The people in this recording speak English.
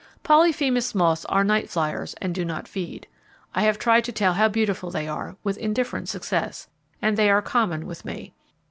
Polyphemus moths are night flyers, and do not feed. I have tried to tell how beautiful they are, with indifferent success, and they are common with me.